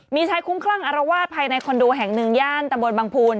มีชายคุ้มคลั่งอารวาสภายในคอนโดแห่งหนึ่งย่านตำบลบังพูน